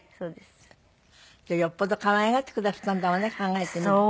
じゃあよっぽど可愛がってくだすったんだわね考えてみると。